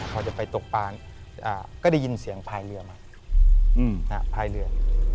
พอจะไปตกปานก็ได้ยินเสียงพายเรือมาภายเรือ